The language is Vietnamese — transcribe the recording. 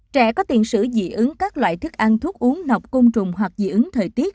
trẻ có tiền sử dị ứng các loại thức ăn thuốc uống nọc cung trùng hoặc dị ứng thời tiết